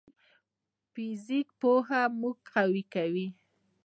د فزیک پوهه موږ قوي کوي.